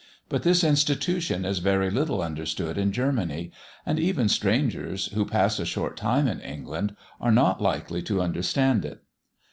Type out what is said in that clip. But this institution is very little understood in Germany, and even strangers, who pass a short time in England, are not likely to understand it.